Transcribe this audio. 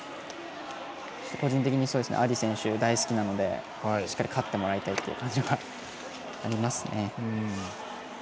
個人的にアディ選手大好きなのでしっかり勝ってほしいというのはありますね。